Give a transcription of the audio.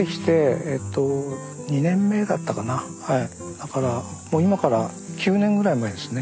だから今から９年ぐらい前ですね。